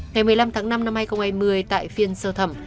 ngày một mươi năm tháng năm năm hai nghìn hai mươi tại phiên sơ thẩm